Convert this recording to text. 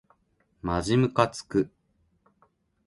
まじむかつく